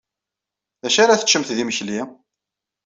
D acu ara teččemt d imekli?